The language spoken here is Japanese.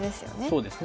そうですね。